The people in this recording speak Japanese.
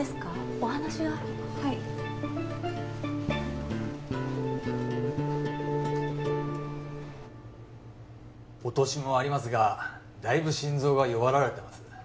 お話がはいお年もありますがだいぶ心臓が弱られてます